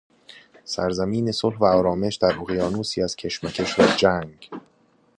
سرزمین صلح و آرامش در اقیانوسی از کشمکش و جنگ